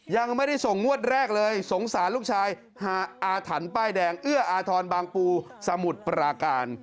ยังไม่ได้ส่งงวดแรกเลยสงสารลูกชายหาอาถรรพ์ป้ายแดงเอื้ออาทรบางปูสมุทรปราการ